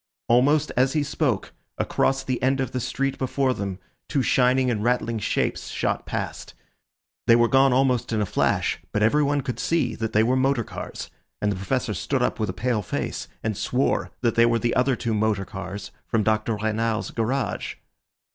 Almost as he spoke, across the end of the street before them two shining and rattling shapes shot past. They were gone almost in a flash, but everyone could see that they were motor cars, and the Professor stood up with a pale face and swore that they were the other two motor cars from Dr. Renard's garage.